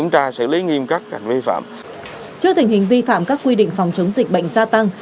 trước tình hình vi phạm các quy định phòng chống dịch bệnh gia tăng